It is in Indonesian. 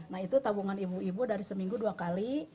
nah itu tabungan ibu ibu dari seminggu dua kali